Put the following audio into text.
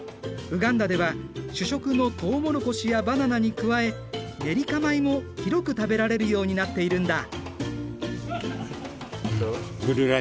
ウガンダでは主食のとうもろこしやバナナに加えネリカ米も広く食べられるようになっているんだ。